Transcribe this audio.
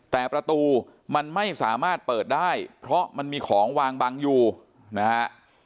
แต่ประตูมันไม่สามารถเปิดได้เพราะมันมีของวางบังอยู่นะฮะ